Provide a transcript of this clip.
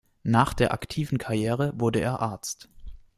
Nach der aktiven Karriere wurde er Arzt.